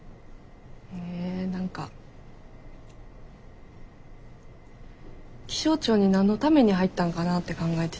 え何か気象庁に何のために入ったんかなって考えてたんよ。